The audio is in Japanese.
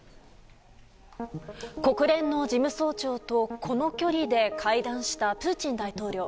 国連の事務総長とこの距離で会談したプーチン大統領。